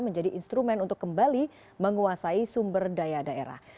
menjadi instrumen untuk kembali menguasai sumber daya daerah